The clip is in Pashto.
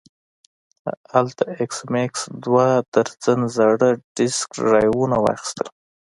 هلته ایس میکس دوه درجن زاړه ډیسک ډرایوونه واخیستل